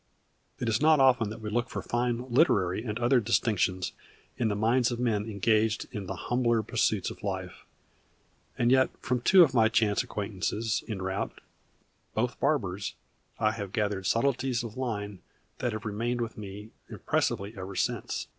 It is not often that we look for fine literary and other distinctions in the minds of men engaged in the humbler pursuits of life, and yet from two of my chance acquaintances en route, both barbers, I have gathered subtleties of line that have remained with me impressively ever since.